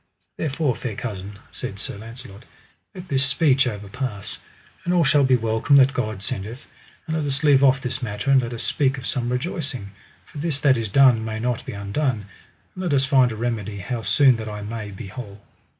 Therefore, fair cousin, said Sir Launcelot, let this speech overpass, and all shall be welcome that God sendeth; and let us leave off this matter and let us speak of some rejoicing, for this that is done may not be undone; and let us find a remedy how soon that I may be whole.